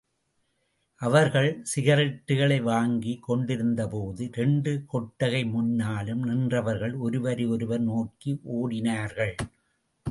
அவர்கள் சிகரெட்டுக்களை வாங்கி கொண்டிருந்தபோது, இரண்டு கொட்டகை முன்னாலும் நின்றவர்கள், ஒருவரை ஒருவர் நோக்கி ஓடினார்கள்.